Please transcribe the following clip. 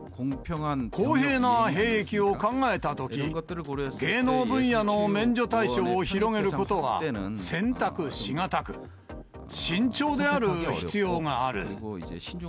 公平な兵役を考えたとき、芸能分野の免除対象を広げることは、選択し難く、慎重である必要がある。